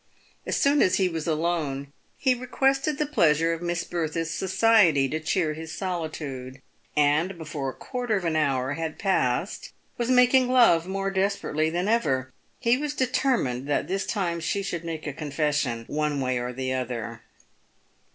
As soon as he was alone, he requested the pleasure of Miss Bertha's society to cheer his solitude, and, before a quarter of an hour had passed, was making love more desperately than ever. He was de termined that this time she should make a confession one way or the other.